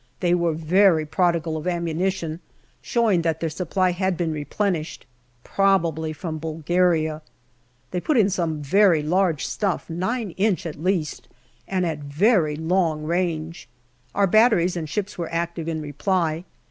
They were very prodigal of ammunition, showing that their supply had been replenished, probably from Bulgaria. They put in some very large stuff, g inch at least, and at very long range. Our batteries and ships were active in reply.